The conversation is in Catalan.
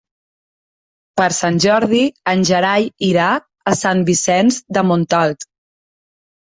Per Sant Jordi en Gerai irà a Sant Vicenç de Montalt.